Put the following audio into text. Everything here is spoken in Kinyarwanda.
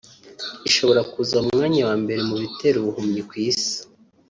ishobora kuza ku mwanya wa mbere mu bitera ubuhumyi ku isi